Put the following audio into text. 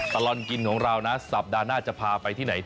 ตลอดกินของเรานะสัปดาห์หน้าจะพาไปที่ไหน